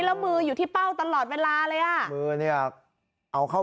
แล้วมืออยู่ที่เป้าตอนเหมือนกับเวลา